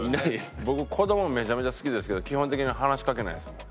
僕子どもめちゃめちゃ好きですけど基本的に話しかけないですもん。